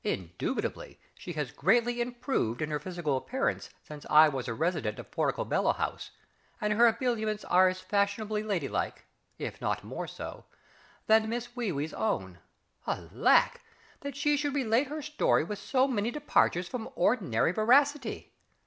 Indubitably she has greatly improved in her physical appearance since I was a resident of Porticobello House, and her habiliments are as fashionably ladylike (if not more so) than Miss WEE WEE'S own! Alack! that she should relate her story with so many departures from ordinary veracity.